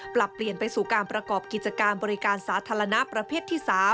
ปรับเปลี่ยนไปสู่การประกอบกิจการบริการสาธารณะประเภทที่๓